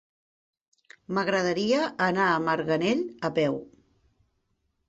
M'agradaria anar a Marganell a peu.